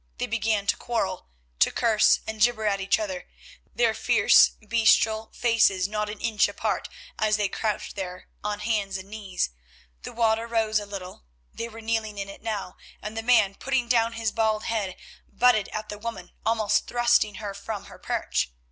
They began to quarrel, to curse and jibber at each other, their fierce, bestial faces not an inch apart as they crouched there on hands and knees. The water rose a little, they were kneeling in it now, and the man, putting down his bald head, butted at the woman, almost thrusting her from her perch.